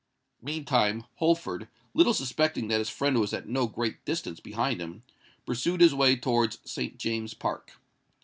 Meantime, Holford, little suspecting that his friend was at no great distance behind him, pursued his way towards St. James's Park.